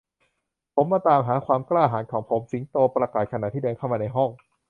ผมมาตามหาความกล้าหาญของผม สิงโตประกาศขณะที่เดินเข้ามาในห้อง